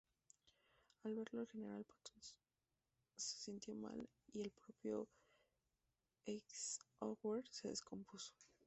Al verlo, el General Patton se sintió mal y el propio Eisenhower se descompuso.